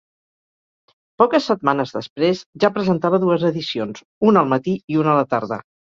Poques setmanes després ja presentava dues edicions, una al matí i una a la tarda.